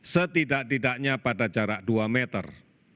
setidak tidaknya pada jarak dua meter